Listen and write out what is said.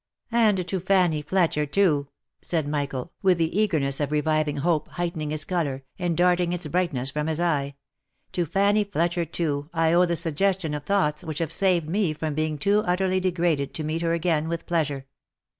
"And to Fanny Fletcher too!" said Michael, with the eagerness of reviving hope heightening his colour, and darting its brightness from his eye, —" to F'anny Fletcher too, I owe the suggestion of thoughts which have saved me from being too utterly degraded to meet her again with pleasure.